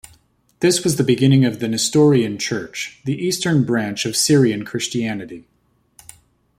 This was the beginning of the Nestorian Church, the eastern branch of Syrian Christianity.